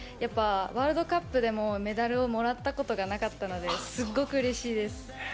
ワールドカップでもメダルをもらったことがなかったのですごくうれしいです。